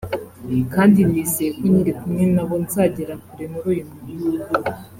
kandi nizeye ko nkiri kumwe na bo nzagera kure muri uyu mwuga